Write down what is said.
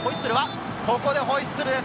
ここでホイッスルです。